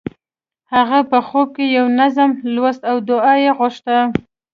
هغه په خوب کې یو نظم لوست او دعا یې غوښته